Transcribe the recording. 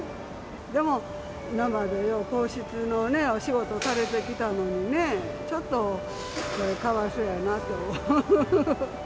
でも今まで、よう皇室のね、お仕事されてきたのにね、ちょっとかわいそうやなと。